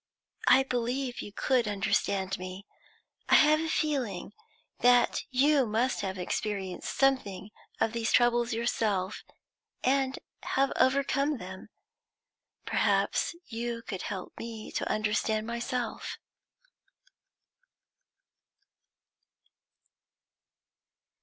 "I believe you could understand me. I have a feeling that you must have experienced something of these troubles yourself, and have overcome them. Perhaps you could help me to understand myself."